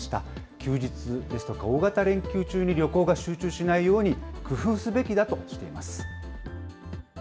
休日ですとか、大型連休中に旅行が集中しないように、工夫すべきだとしています。